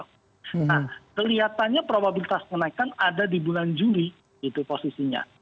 nah kelihatannya probabilitas kenaikan ada di bulan juli gitu posisinya